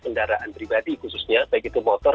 kendaraan pribadi khususnya baik itu motor